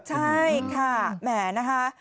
ใช่ค่ะแหมนะคะ